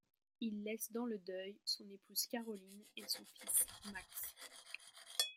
Il laisse dans le deuil son épouse Caroline et son fils Max.